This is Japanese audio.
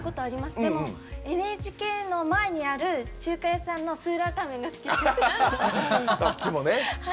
でも、ＮＨＫの前にある中華屋さんのスーラータンメンが好きです。